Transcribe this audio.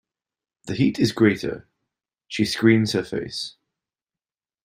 The heat is greater; she screens her face.